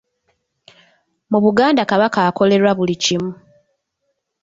Mu Buganda Kabaka akolerwa buli kimu.